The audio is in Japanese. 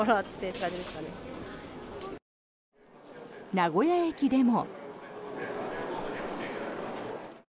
名古屋駅でも。